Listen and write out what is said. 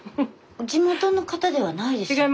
地元の方ではないですよね？